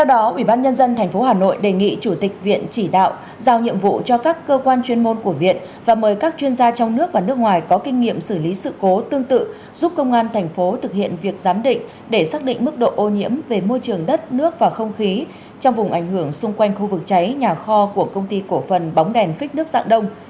sau đó ủy ban nhân dân tp hà nội đề nghị chủ tịch viện chỉ đạo giao nhiệm vụ cho các cơ quan chuyên môn của viện và mời các chuyên gia trong nước và nước ngoài có kinh nghiệm xử lý sự cố tương tự giúp công an thành phố thực hiện việc giám định để xác định mức độ ô nhiễm về môi trường đất nước và không khí trong vùng ảnh hưởng xung quanh khu vực cháy nhà kho của công ty cổ phần bóng đèn phích nước dạng đông